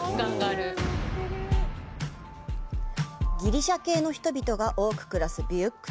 ギリシャ系の人々が多く暮らすビュユック